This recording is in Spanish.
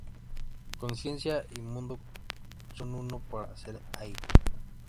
Conciencia y mundo son uno para el ser-ahí.